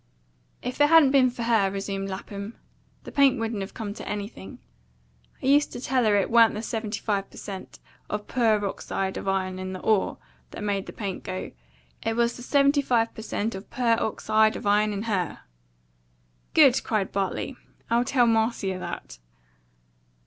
"If it hadn't been for her," resumed Lapham, "the paint wouldn't have come to anything. I used to tell her it wa'n't the seventy five per cent. of purr ox eyed of iron in the ORE that made that paint go; it was the seventy five per cent. of purr ox eyed of iron in HER." "Good!" cried Bartley. "I'll tell Marcia that."